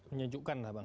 menyejukkan lah bang